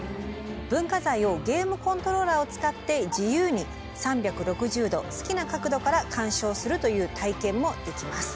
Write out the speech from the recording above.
文化財をゲームコントローラーを使って自由に３６０度好きな角度から鑑賞するという体験もできます。